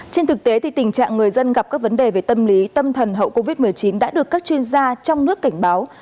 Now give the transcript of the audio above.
trên thực tế tình trạng người dân gặp các vấn đề về tâm lý tâm thần hậu covid một mươi chín đã được các chuyên gia trong nước cảnh báo